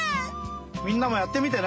みんなもやってみてね！